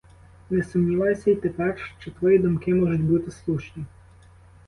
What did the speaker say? Не сумніваюся й тепер, що твої думки можуть бути слушні.